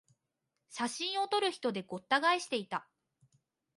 写真を撮る人でごった返していた